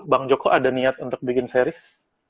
bang joko ada niat untuk bikin series